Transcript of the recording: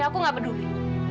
aku gak peduli